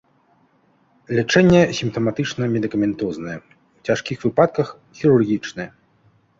Лячэнне сімптаматычна-медыкаментознае, у цяжкіх выпадках хірургічнае.